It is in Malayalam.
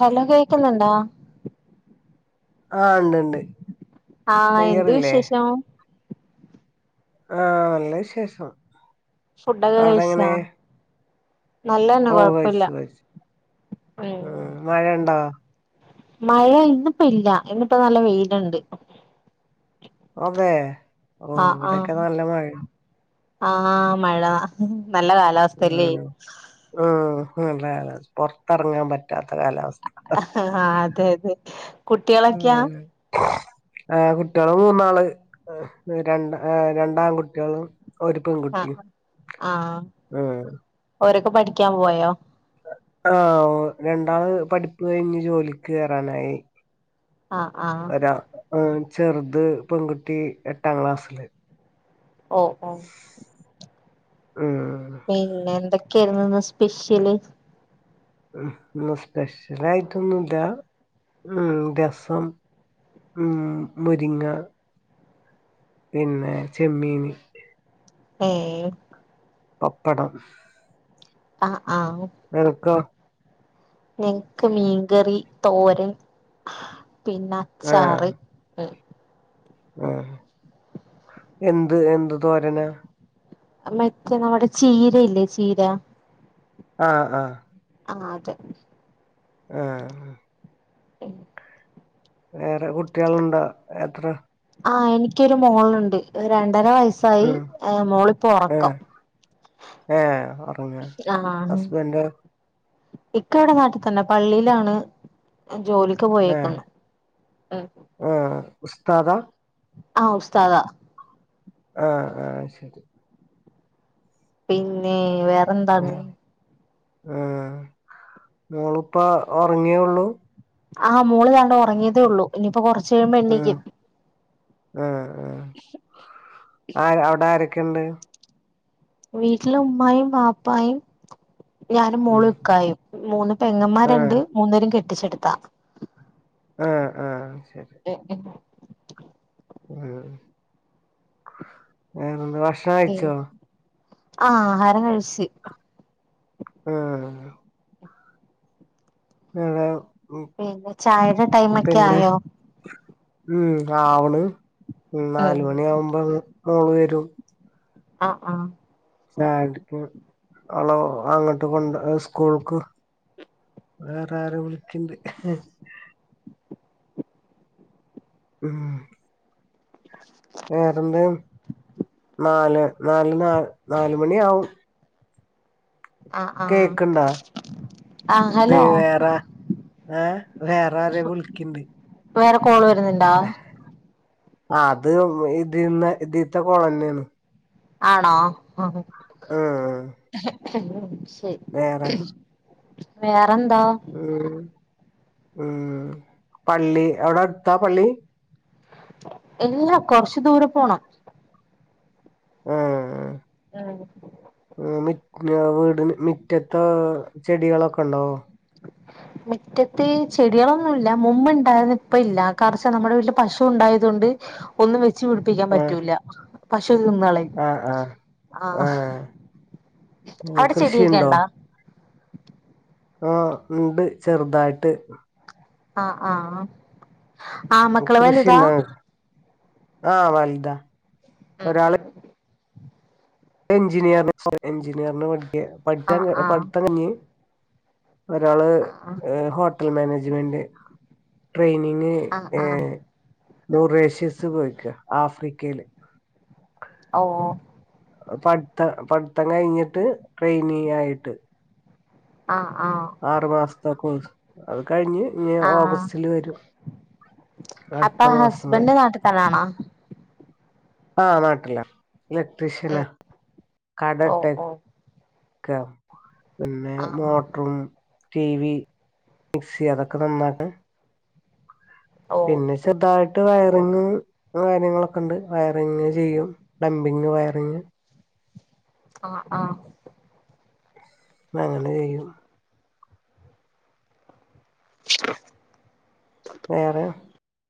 ഹലോ കേൾക്കുന്നുണ്ടേ ആഹ് ഉണ്ട്ണ്ട് ആഹ് എന്ത് ക്ലിയറല്ലേ വിശേഷം ആ നല്ല വിശേഷം ഫുഡൊക്കെ അവിടെ എങ്ങനെ കഴിച്ചാ നല്ലതന്നെ ഓ കൊഴപ്പില്ല കഴിച്ചു കഴിച്ചു ഉം മഴഉണ്ടോ മഴ ഇന്നിപ്പോ ഇല്ല ഇന്നിപ്പോ നല്ല വെയിലുണ്ട് അതെ ഓ ആഹ് ഇവിടെക്കെ ആഹ് നല്ല മഴ ആഹ് മഴ നല്ല കാലാവസ്ഥ ഉം ഉം നല്ല കാലാവസ്ഥ പുറത്തിറങ്ങാൻ പറ്റാത്ത കാലാവസ്ഥ ആഹ് അതെ അതെ കുട്ടികളൊക്കെയാ [unintelligible] ആഹ് കുട്ടികള് മൂന്നാള് രണ്ടാകുട്ടികളും ഒരു പെണ്ണും ആഹ് ആഹ് ഓരൊക്കെ പഠിക്കാൻ പോയോ ആഹ് രണ്ടാള് പഠിപ്പ് കഴിഞ്ഞ് ജോലിക്ക് കയറാനായി ആഹ് ആഹ് ഒരാ ചെറുത് പെൺകുട്ടി എട്ടാം ക്ലാസ്സില് ഓഹ് ഓഹ് ആഹ് പിന്നെ എന്തൊക്കെയായിരുന്നു ഇന്ന് സ്പെഷ്യല് ഉം ഇന്ന് സ്പെഷ്യലായിട്ടൊന്നും ഇല്ലാ ഉം രസം ഉം മുരിങ്ങ പിന്നെ ചെമ്മീന് ഏഹ് പപ്പടം ആഹ് ആഹ് നിനക്കോ എനക്ക് മീൻകറി തോരൻ പിന്നെ അച്ചാറ് ഉം ആ ഹ് എന്ത് എന്ത് തോരന മച്ച നമ്മടെ ചീരയില്ലേ ചീര ആഹ് ആഹ് ആഹ് അതെ ആഹ് ഉം വേറെ കുട്ടികളുണ്ടോ എത്ര ആഹ് എനിക്കൊരു മോൾ ഉണ്ട് രണ്ടര വയസായി ഉം മോളിപ്പോ ഏഹ് ഉറക്കം ഏഹ് ഉറങ്ങ ആഹ് ഹസ്ബന്റോ ഇക്ക ഇവിടെ നാട്ടിൽ തന്നെ പള്ളിയിലാണ് ജോലി ഏഹ് ആഹ് ഉസ്താദാ ആഹ് ഉസ്താദാ ആഹ് ആഹ് അയ് ശരി പിന്നെ വേറെ ഉം ആഹ് മോൾ ഇപ്പൊ ഉറങ്ങിയേള്ളൂ ആഹ് മോള് ഇതാണ്ട് ഉറങ്ങിയതേ ഒള്ളൂ ഇനിയിപ്പോ കുറച്ച് കഴിയുമ്പോ എണ്ണീക്കും ആഹ് ആഹ് ആഹ് അവിടെ ആരൊക്കെ ഇണ്ട് വീട്ടില് ഉമ്മായും വാപ്പായും ഞാന് ഉം മോള് ഇക്കായും മൂന്ന് ആഹ് പെങ്ങന്മാർണ്ട് മൂന്ന് പേരും കെട്ടിച്ചെടുത്താ ആഹ് ആഹ് ശരി ഉം ഉം ഉം വേറെന്താ ഭക്ഷ ഉം ആഹാ ആഹാരം കഴിച്ചു ആഹ് [unintelligible] പിന്നെ ചായയുടെ ടൈമ് ഒക്കെ പിന്നെ ആയോ ഉം ആവണ് ഉം ആഹ് നാലുമണി ആവുമ്പോ മോള് വരും [unintelligible] സ്നാക്ക് അവള് അങ്ങട്ട് കൊണ്ട് സ്കൂൾക്ക് വേറെ ആരൊ വിളിക്കണ്ട് ഉം വെറെന്താ നാല് നല് നാ നാല് മണി ആവും ആഹ് ആഹ് കേക്ക്ണ്ടേ ആഹ് ഇത് ഹലോ വേറെ ഏഹ് വേറെ ആരൊ വിളിക്ക്ണ്ട് വേറെ കോള് വരുന്നുണ്ടാ ആ അത് ഇതീന്ന് ഇതിത്തെ കോള്ന്നെയാണ് ആണോ ആഹ് ആഹ് ശരി വേറെ വേറെന്താ ഉം ഉം പള്ളി അവിടെ അടുത്താ പള്ളി ഇല്ലാ കൊറച്ചു ദൂരെ പോണം ആഹ് ആഹ് ആ മി ആ വീടിന് മിറ്റത്താ ചെടികളൊക്കെ ഉണ്ടോ മിറ്റത്ത് ചെടികളൊന്നുമില്ല മുമ്പ് ഇണ്ടായിരന്ന് ഇപ്പ ഇല്ല കാരണച്ച നമ്മുടെ വീ പശു ഉണ്ടായതുകൊണ്ട് ഒന്നും വെച്ച് പിടിപ്പിക്കാൻ ആഹ് പറ്റൂല്ല പശു തിന്നകളെയും ആഹ് ആഹ് ആഹ് അവിടെ കൃഷിയുണ്ടോ ചെടിയൊക്കെണ്ടാ ആഹ് ഇണ്ട് ചെറുതായിട്ട് ആഹ് ആഹ് ആ മക്കള് വലുതാ കൃഷിണ്ട ആഹ് വല്താ ഉം ഉം. എഞ്ചിനീയറി എഞ്ചിനീയറിന് പഠിക്ക ആഹ് പഠിച്ചാൻ ആഹ് പഠിത്തം കയ്ഞ്ഞ്. ഒരാള് ആഹ് ആഹ് ഹോട്ടൽ മാനേജ്മെന്റ് ട്രെയിനിങ് ആഹ് ആഹ് ഏഹ് മുറേഷ്യസ് പോയിയ്ക്ക ആഫ്രിക്കയില്. ഓഹ്. പഠിത്ത പഠിത്തം കഴിഞ്ഞിട്ട് ട്രെയിനിങ്ങ് ആയിട്ട്. ആഹ് ആഹ്. ആറ് മാസ്തെ കോഴ്സ്. അത് കഴിഞ്ഞ് ഇനി ആഹ് ഓഗസ്റ്റില് വരും അടുത്ത മാസം വരും. ട്ട്ലണോ? ആഹ് നാട്ടിലാ ഇലക്ട്രീഷ്യനാ കട ഓ ഇട്ടെ ഓ ക്കാ പിന്നെ മോ ആഹ് ടി വി മിക്സി അതൊക്കെ നന്നാക്കും. ഓ പിന്നെ ചെറുതായിട്ട് വയറിങ് കാര്യങ്ങളൊക്കെ ഉണ്ട് വയറിങ്ങ് ചെയ്യും പ്ലളമ്പിങ്, വയറിങ്, അഹ് ആഹ് അങ്ങനെ ചെയും. [unintelligible] വേറെ?